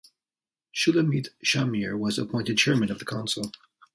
Shulamit Shamir was appointed chairman of the council.